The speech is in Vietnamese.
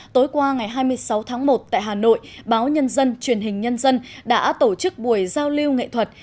tối qua ngày hai mươi sáu tháng một tại hà nội báo nhân dân truyền hình nhân dân đã tổ chức buổi giao lưu nghệ thuật